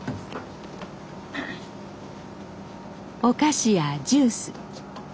お菓子やジュース。